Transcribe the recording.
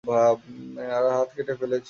হাত কেটে ফেলেছিল।